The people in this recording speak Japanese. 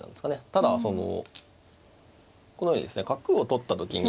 ただそのこのようにですね角を取った時に。